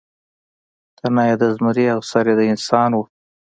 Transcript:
تنه یې د زمري او سر یې د انسان و.